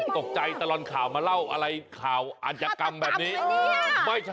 ตลอดข่าวมาเล่าอะไรข่าวอาจยกรรมแบบนี้